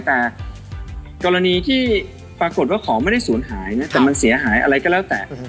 แต่กรณีที่ปรากฏว่าของไม่ได้ศูนย์หายนะแต่มันเสียหายอะไรก็แล้วแต่